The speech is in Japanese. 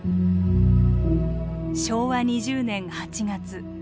昭和２０年８月。